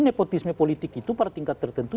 nepotisme politik itu pada tingkat tertentu